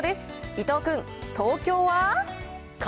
伊藤君、東京は？